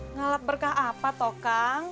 ngalap berkah apa toh kang